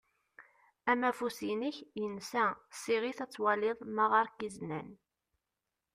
Amafus-inek insa. Siɣ-it ad twaliḍ ma ɣer-k izenan.